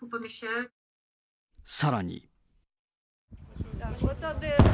さらに。